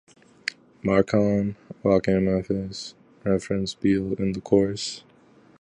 Marc Cohn - "Walking in Memphis" references beale in the chorus.